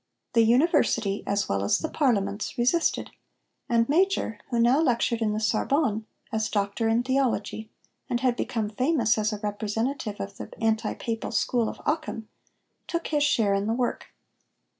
The University, as well as the Parliaments, resisted, and Major, who now lectured in the Sorbonne as Doctor in Theology, and had become famous as a representative of the anti Papal school of Occam, took his share in the work.